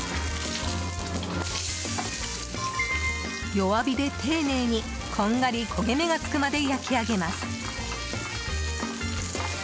弱火で丁寧に、こんがり焦げ目がつくまで焼き上げます。